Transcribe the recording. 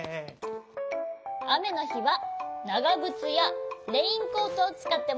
あめのひはながぐつやレインコートをつかってもいいよ。